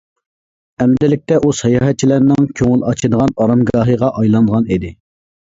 ئەمدىلىكتە ئۇ ساياھەتچىلەرنىڭ كۆڭۈل ئاچىدىغان ئارامگاھىغا ئايلانغان ئىدى.